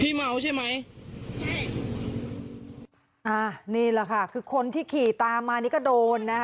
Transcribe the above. เมาใช่ไหมใช่อ่านี่แหละค่ะคือคนที่ขี่ตามมานี่ก็โดนนะคะ